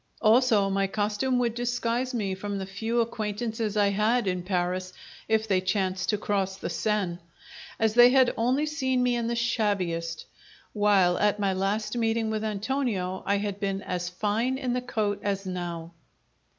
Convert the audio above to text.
Also, my costume would disguise me from the few acquaintances I had in Paris (if they chanced to cross the Seine), as they had only seen me in the shabbiest; while, at my last meeting with Antonio, I had been as fine in the coat as now.